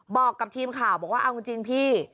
บอกกับทีมข่าวบอกว่าเอาจริงพี่